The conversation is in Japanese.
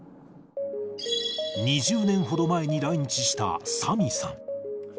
２０年ほど前に来日したサミさん。